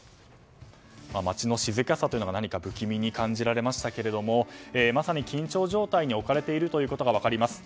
街の静かさというのが何か不気味に感じられましたがまさに緊張状態に置かれていることが分かります。